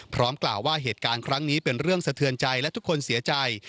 กล่าวว่าเหตุการณ์ครั้งนี้เป็นเรื่องสะเทือนใจและทุกคนเสียใจ